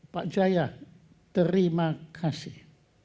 pak jaya terima kasih